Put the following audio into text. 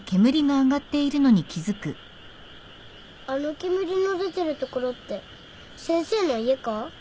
あの煙の出てる所って先生の家か？